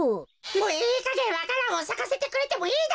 もういいかげんわか蘭をさかせてくれてもいいだろうってか。